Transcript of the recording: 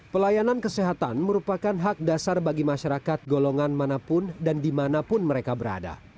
pelayanan kesehatan merupakan hak dasar bagi masyarakat golongan manapun dan dimanapun mereka berada